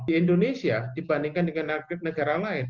di indonesia dibandingkan dengan negara lain